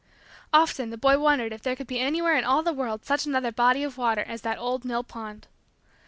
Often, the boy wondered if there could be anywhere in all the world such another body of water as that old mill pond.